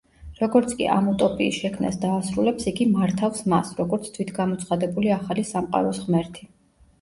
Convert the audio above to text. როგორც კი ამ უტოპიის შექმნას დაასრულებს, იგი მართავს მას, როგორც თვითგამოცხადებული „ახალი სამყაროს ღმერთი“.